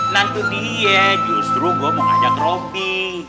nanti dia justru gue mau ajak robby